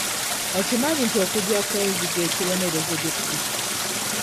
Okimanyi nti okujja kw'enzige kibonerezo gye tuli?